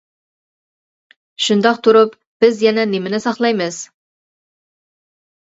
شۇنداق تۇرۇپ، بىز يەنە نېمىنى ساقلايمىز.